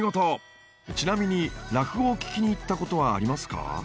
ちなみに落語を聞きに行ったことはありますか？